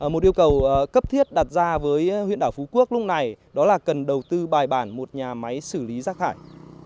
một yêu cầu cấp thiết đặt ra với huyện đảo phú quốc lúc này đó là cần đầu tư bài bản một nhà máy xử lý rác thải